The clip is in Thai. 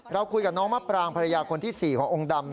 เราคุยกับน้องมะปรางภรรยาคนที่๔ขององค์ดำ